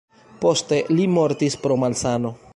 Poste li mortis pro malsano.